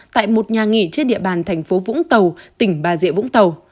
tại một nhà nghỉ trên địa bàn tp vũng tàu tỉnh bà diệ vũng tàu